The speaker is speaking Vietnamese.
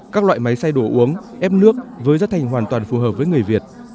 các loại máy xay đồ uống ép nước với giá thành hoàn toàn phù hợp với người việt